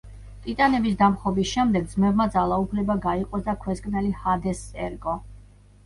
ტიტანების დამხობის შემდეგ ძმებმა ძალაუფლება გაიყვეს და ქვესკნელი ჰადესს ერგო.